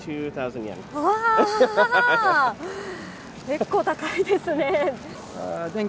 結構高いですね。